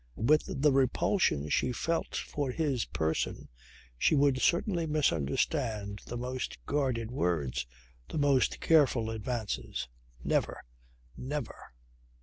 With the repulsion she felt for his person she would certainly misunderstand the most guarded words, the most careful advances. Never! Never!